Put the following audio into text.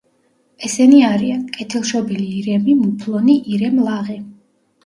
ესენი არიან: კეთილშობილი ირემი, მუფლონი, ირემლაღი.